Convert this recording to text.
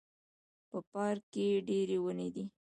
په پارک کې ډیري وني دي